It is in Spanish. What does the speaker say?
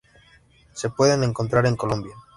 Se pueden encontrar en Colombia.